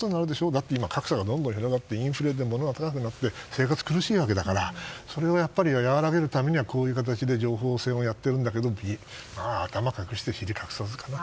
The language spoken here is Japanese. だって格差がどんどん広がってインフレでものが高くなって生活が苦しいわけだから。それを和らげるためにはこういう形で情報戦をやっているんだけど頭を隠して尻隠さずかな。